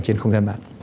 trên không gian mạng